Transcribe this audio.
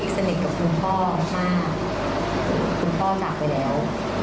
สนิทกับคุณพ่อมากคุณพ่อจากไปแล้ว